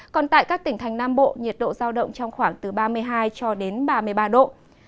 còn tại các tỉnh thành nam bộ nhiệt độ giao động trong khoảng từ ba mươi hai cho đến ba mươi ba độ